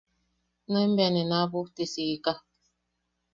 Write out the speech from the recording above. Nuen bea ne naabujti siika.